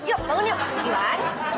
yuk bangun yuk iwan